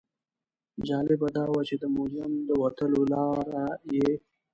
جالبه دا وه چې د موزیم د وتلو لاره یې.